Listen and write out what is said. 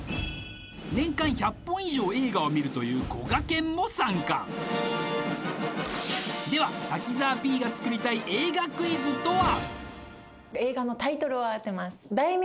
年間１００本以上映画を見るというこがけんも参加では滝沢Ｐが作りたい映画クイズとは？